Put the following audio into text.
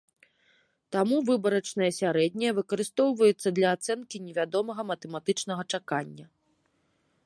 Таму выбарачнае сярэдняе выкарыстоўваецца для ацэнкі невядомага матэматычнага чакання.